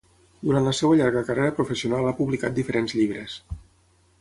Durant la seva llarga carrera professional ha publicat diferents llibres.